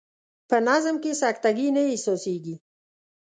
په نظم کې سکته ګي نه احساسیږي.